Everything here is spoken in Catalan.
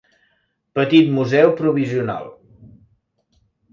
Petit Museu Provisional.